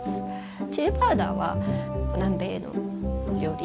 チリパウダーは南米の料理